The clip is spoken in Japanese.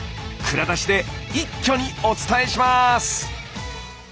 蔵出しで一挙にお伝えします！